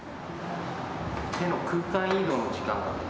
手の空間移動の時間が。